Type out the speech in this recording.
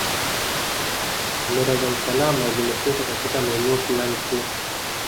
Kamera za usalama zimefungwa katika maeneo fulani tu